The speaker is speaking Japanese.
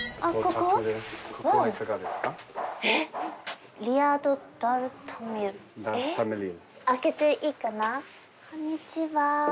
こんにちは。